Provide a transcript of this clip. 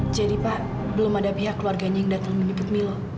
jadi pak belum ada pihak keluarganya yang datang menipu milo